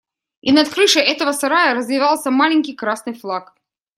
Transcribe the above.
И над крышею этого сарая развевался маленький красный флаг.